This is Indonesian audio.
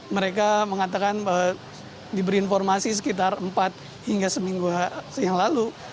mereka mengatakan diberi informasi sekitar empat hingga seminggu yang lalu